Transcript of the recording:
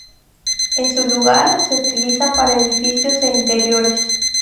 En su lugar, se utilizan para edificios e interiores.